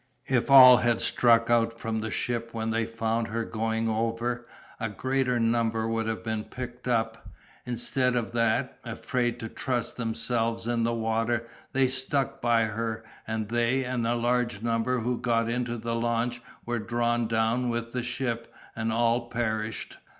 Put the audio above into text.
If all had struck out from the ship when they found her going over, a greater number would have been picked up; instead of that, afraid to trust themselves in the water, they stuck by her, and they and a large number who got into the launch were drawn down with the ship, and all perished.